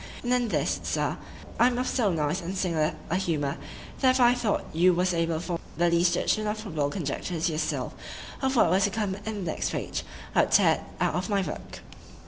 And in this, Sir, I am of so nice and singular a humour, that if I thought you was able to form the least judgment or probable conjecture to yourself, of what was to come in the next page,—I would tear it out of my book.